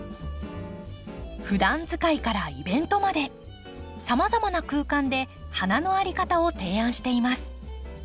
ふだん使いからイベントまでさまざまな空間で花の在り方を提案しています。